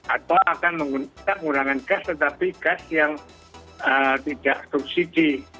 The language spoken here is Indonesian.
atau akan menggunakan gas tetapi gas yang tidak subsidi